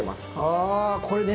あこれね？